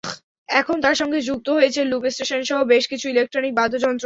এখন তার সঙ্গে যুক্ত হয়েছে লুপ স্টেশনসহ বেশ কিছু ইলেকট্রনিক বাদ্যযন্ত্র।